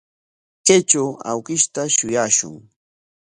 Kaytraw awkishta shuyashun.